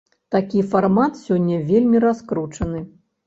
Такі фармат сёння вельмі раскручаны.